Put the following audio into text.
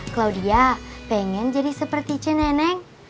claudia pengen jadi seperti c neneng